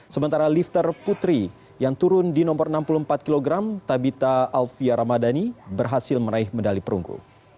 sementara lifter putri yang turun di nomor enam puluh empat kg tabita alfia ramadhani berhasil meraih medali perunggu